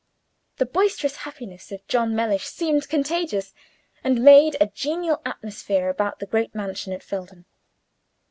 The boisterous happiness of John Mellish seemed contagious, and made a genial atmosphere about the great mansion at Felden.